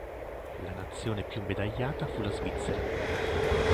La nazione più medagliata fu la Svizzera.